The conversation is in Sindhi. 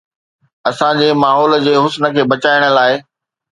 اسان جي ماحول جي حسن کي بچائڻ لاء